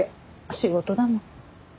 仕事だもん。